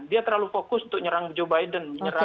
dia terlalu fokus untuk nyerang joe biden